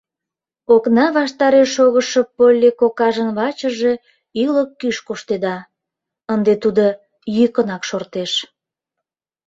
Окна ваштареш шогышо Полли кокажын вачыже ӱлык-кӱш коштеда, ынде тудо йӱкынак шортеш.